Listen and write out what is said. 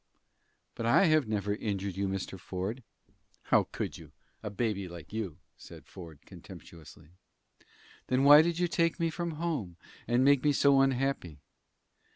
"But I have never injured you, Mr. Ford." "How could you a baby like you?" said Ford, contemptuously. "Then why did you take me from home, and make me so unhappy?"